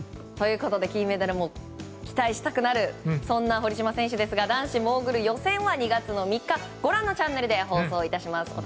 ということで、金メダルも期待したくなる堀島選手ですが男子モーグル予選は２月の３日ご覧のチャンネルで放送いたします。